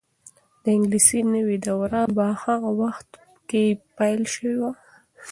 د انګلیسي نوې دوره په هغه وخت کې پیل شوې وه.